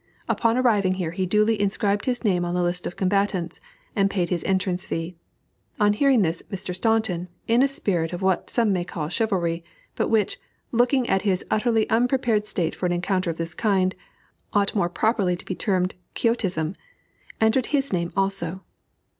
Upon arriving here he duly inscribed his name on the list of combatants, and paid his entrance fee. On hearing this, Mr. Staunton, in a spirit of what some may call chivalry, but which, looking at his utterly unprepared state for an encounter of this kind, ought more properly to be termed Quixotism, entered his name also.